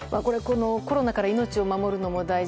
コロナから命を守るのも大事。